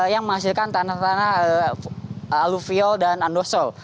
yang menghasilkan tanah tanah aluvial dan andosol